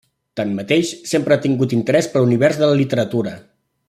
Tanmateix, sempre ha tingut interès per l'univers de la literatura.